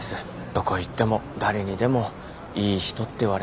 どこ行っても誰にでもいい人って言われます。